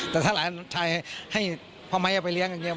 แต่ถ้าหลานชาย่อยก็ไปเลี้ยง